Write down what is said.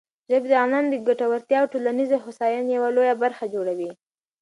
ژبې د افغانانو د ګټورتیا او ټولنیزې هوساینې یوه لویه برخه جوړوي.